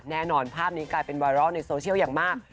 แน่นอนภาพนี้กลายเป็นไวรัลในโซเชียลอย่างมาก